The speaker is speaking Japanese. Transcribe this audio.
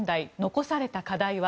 残された課題は？